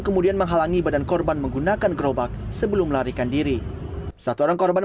kemudian menghalangi badan korban menggunakan gerobak sebelum melarikan diri satu orang korban